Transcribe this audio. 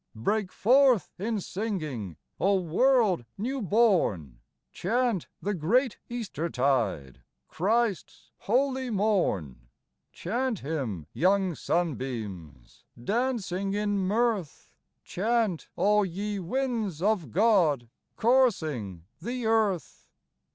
Break forth in singing, O world new born ! Chant the great Easter tide, Christ's holy morn. Chant Him, young sunbeams Dancing in mirth ! Chant, all ye winds of God, Coursing the earth